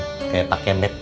seperti pak kemet